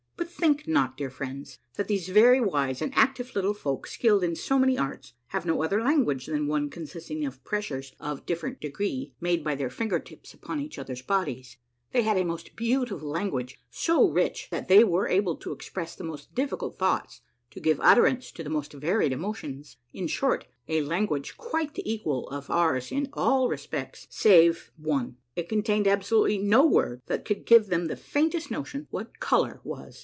But think not, dear friends, that these very wise and active little folk, skilled in so many arts, have no other language than one consisting of pressures of different degree, made by their finger tips upon each other's bodies. They had a most beautiful language, so rich that they were able to express the most diffi cult thoughts, to give utterance to the most varied emotions ; in short, a language quite the equal of ours in all respects save THE FORMIFOLK TRY THE BEAT OF THE BARON'S HEART BY TELEPHONE. A MARVELLOUS UNDERGROUND JOURNEY 97 one — it contained absolutely no word that could give them the faintest notion what color was.